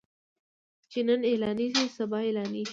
چې نن اعلانيږي سبا اعلانيږي.